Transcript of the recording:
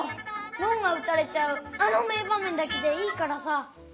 ごんがうたれちゃうあの名ばめんだけでいいからさ。